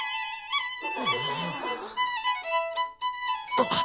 あっ！